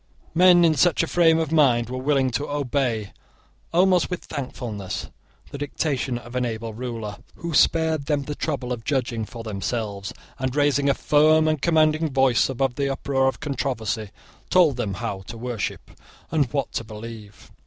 Men in such a frame of mind were willing to obey, almost with thankfulness, the dictation of an able ruler who spared them the trouble of judging for themselves, and, raising a firm and commanding voice above the uproar of controversy, told them how to worship and what to believe.